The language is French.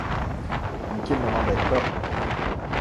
Mais qu'ils ne m'embêtent pas!